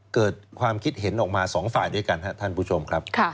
เกิดความคิดเห็นออกมาสองฝ่ายด้วยกันครับท่านผู้ชมครับ